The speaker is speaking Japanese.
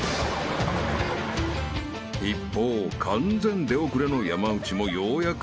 ［一方完全出遅れの山内もようやく］